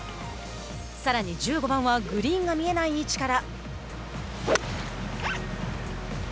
さらに１５番はグリーンが見えない位置から。